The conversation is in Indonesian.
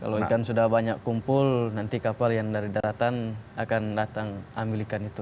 kalau ikan sudah banyak kumpul nanti kapal yang dari daratan akan datang ambil ikan itu